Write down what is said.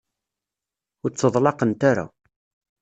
Ur tteḍlaqent ara.